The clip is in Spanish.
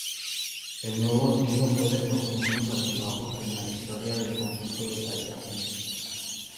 El nuevo siglo fue de profundos altibajos en la historia del conjunto de Sayago.